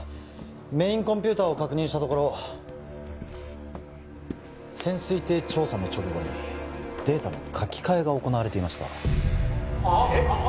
メインコンピューターを確認したところ潜水艇調査の直後にデータの書き換えが行われていましたえっ？